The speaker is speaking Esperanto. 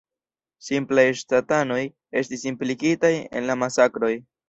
Simplaj ŝtatanoj estis implikitaj en la masakroj.